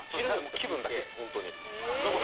気分だけっすホントに。え！